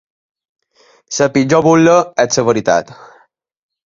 La pitjor burla és la veritat.